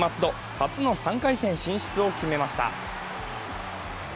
初の３回戦進出を決めました。